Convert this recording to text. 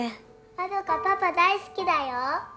まどかパパ大好きだよ！